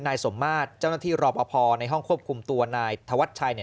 นายสมมาตรเจ้าหน้าที่รอปภในห้องควบคุมตัวนายธวัชชัยเนี่ย